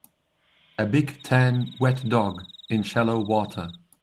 A big tan wet dog in shallow water.